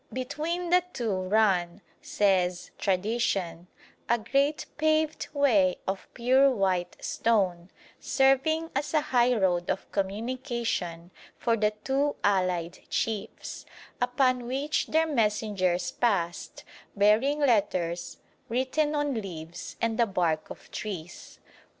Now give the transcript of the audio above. Between the two ran, says tradition, a great paved way of pure white stone, serving as a highroad of communication for the two allied chiefs, upon which their messengers passed bearing letters written on leaves and the bark of trees.